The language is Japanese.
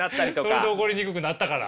これで怒りにくくなったから。